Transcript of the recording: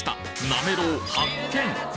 なめろう発見！